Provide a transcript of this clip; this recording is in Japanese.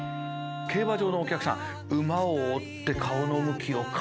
競馬場のお客さん馬を追って顔の向きを変えていく。